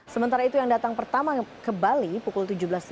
sementara itu yang datang pertama ke bali pukul tujuh belas tiga puluh